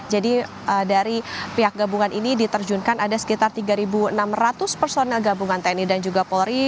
karena penggabungan ini diterjunkan ada sekitar tiga enam ratus personel gabungan tni dan juga polri